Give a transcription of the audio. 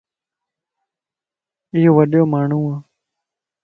ايو وڏيو ماڻھون وَ